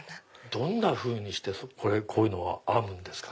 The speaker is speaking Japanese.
どんなふうにしてこういうのは編むんですか？